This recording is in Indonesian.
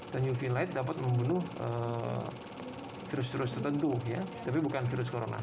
dan uv light dapat membunuh virus virus tertentu tapi bukan virus corona